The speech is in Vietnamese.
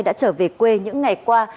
đã trở về quê những ngày qua